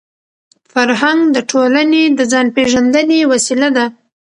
فرهنګ د ټولني د ځان پېژندني وسیله ده.